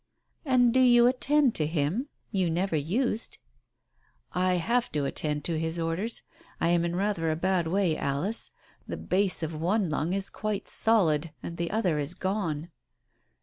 "And do you attend to him? You never used." " I have to attend to his orders. I am in rather a bad way, Alice. The base of one lung is quite solid ... and the other is gone."